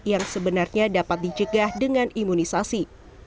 yang sebenarnya dapat dicegah dengan imunisasi